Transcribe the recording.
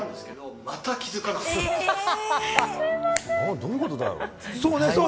どういうことだよ？